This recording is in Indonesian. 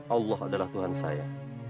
allah adalah tuhan saya